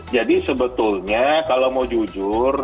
jadi sebetulnya kalau mau jujur